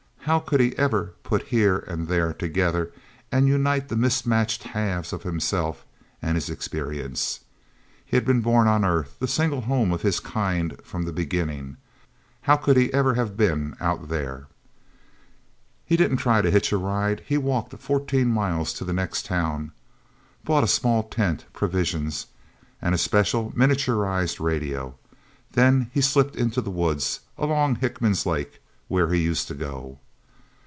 How could he ever put Here and There together, and unite the mismatched halves of himself and his experience? He had been born on Earth, the single home of his kind from the beginning. How could he ever even have been Out There? He didn't try to hitch a ride. He walked fourteen miles to the next town, bought a small tent, provisions and a special, miniaturized radio. Then he slipped into the woods, along Hickman's Lake, where he used to go.